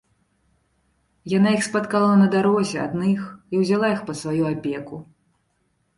Яна іх спаткала на дарозе адных і ўзяла іх пад сваю апеку.